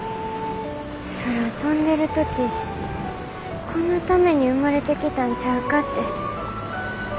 空飛んでる時このために生まれてきたんちゃうかって思ったんです。